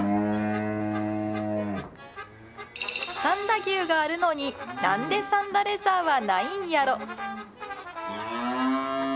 三田牛があるのに、なんで三田レザーはないんやろ。